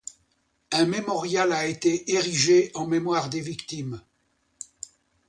Un mémorial à été érigé en mémoire des victimes.